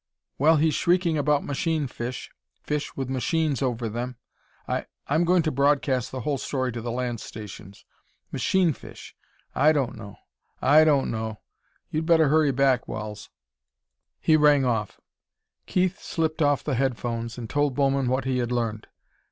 "Well, he's shrieking about 'machine fish' fish with machines over them!... I I'm going to broadcast the whole story to the land stations. 'Machine fish'! I don't know.... I don't know.... You'd better hurry back, Wells!" He rang off. Keith slipped off the headphones and told Bowman what he had learned.